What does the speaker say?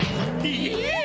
えっ！